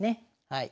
はい。